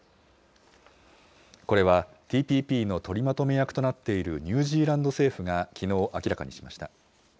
これはＴＰＰの取りまとめ役となっているニュージーランド政府がきのう明らかにしました。